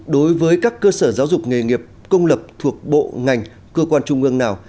đối với các cơ sở giáo dục nghề nghiệp công lập thuộc bộ ngành cơ quan trung ương nào